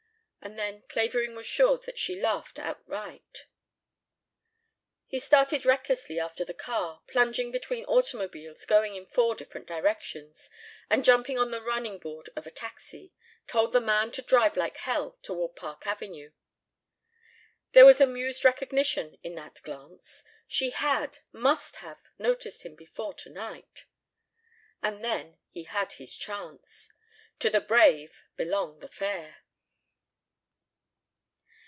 And then Clavering was sure that she laughed outright. He started recklessly after the car, plunging between automobiles going in four different directions, and jumping on the running board of a taxi, told the man to drive like hell toward Park Avenue. There was amused recognition in that glance! She had, must have, noticed him before tonight! And then he had his chance. To the brave belong the fair.